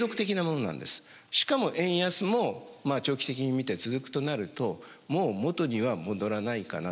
しかも円安も長期的に見て続くとなるともう元には戻らないかなと。